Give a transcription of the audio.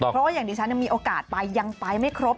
เพราะว่าอย่างที่ฉันมีโอกาสไปยังไปไม่ครบ